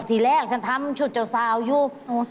ทีแรกฉันทำชุดเจ้าสาวอยู่